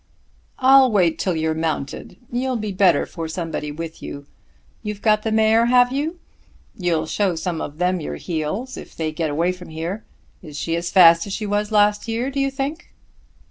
"I'll wait till you are mounted. You'll be better for somebody with you. You've got the mare, have you? You'll show some of them your heels if they get away from here. Is she as fast as she was last year, do you think?"